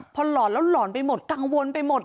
พอหลอนกังวลไปหมด